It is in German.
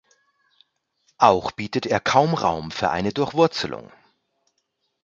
Auch bietet er kaum Raum für eine Durchwurzelung.